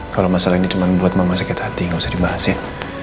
kalau masalah ini cuma buat mama sakit hati gak usah dibahasin